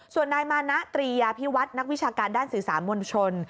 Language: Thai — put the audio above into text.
ส่วนนายมานะตรียาพิวัฒน์นักวิชาการด้านสื่อสารมวลชน